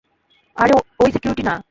আরে ওই সিকিউরিটি না।